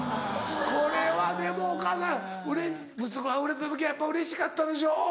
これはでもお母さん息子が売れた時はやっぱうれしかったでしょ？